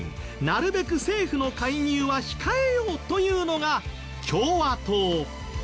なるべく政府の介入は控えようというのが共和党。